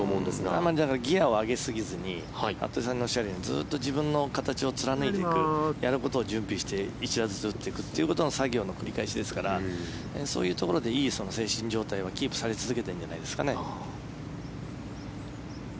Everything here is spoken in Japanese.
あまりギアを上げすぎずに服部さんのおっしゃるようにずっと自分の形を貫いていくやることを準備して１打ずつ打っていくという作業の繰り返しですからそういうところでいい精神状態はキープされ続けているんじゃないですかね。